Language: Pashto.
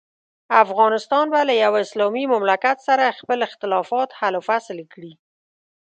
افغانستان به له یوه اسلامي مملکت سره خپل اختلافات حل او فصل کړي.